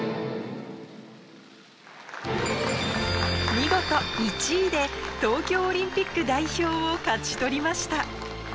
見事１位で東京オリンピック代表を勝ち取りました。